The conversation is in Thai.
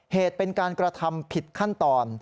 เหตุเป็นการกระทำผิดขั้นตอน